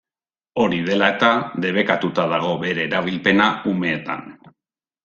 Hori dela eta, debekatuta dago bere erabilpena umeetan.